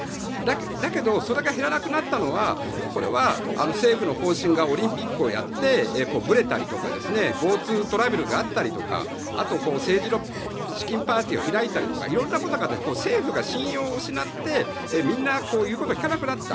だけどそれが減らなくなったのは政府の方針がオリンピックをやってぶれたりとかＧｏＴｏトラベルがあったりとかあと、政治資金パーティーを開いたりとか色々なこと政府が信用を失ってみんな言うことを聞かなくなった。